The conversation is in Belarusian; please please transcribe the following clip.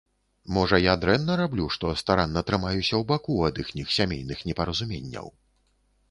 Можа, я дрэнна раблю, што старанна трымаюся ў баку ад іхніх сямейных непаразуменняў?